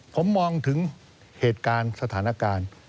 ผมมองถึงเหตุการณ์สถานการณ์